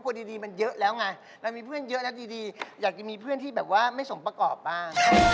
ก็บอกว่าคุณน่าเหมือนใหม่ในรายวิกา